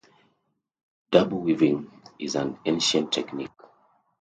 Double weaving is an ancient technique.